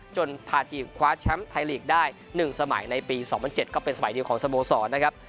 พาทีมคว้าแชมป์ไทยลีกได้๑สมัยในปี๒๐๐๗ก็เป็นสมัยเดียวของสโมสรนะครับ